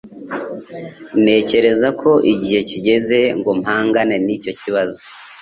Ntekereza ko igihe kigeze ngo mpangane nicyo kibazo